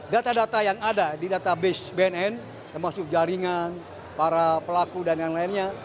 data data yang ada di database bnn termasuk jaringan para pelaku dan yang lainnya